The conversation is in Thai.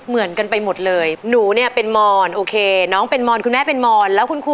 มีนิดนึงครับ